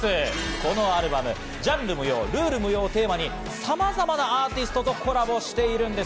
このアルバム、ジャンル無用、ルール無用をテーマにさまざまなアーティストとコラボしているんです。